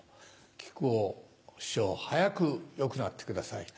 木久扇師匠早く良くなってください。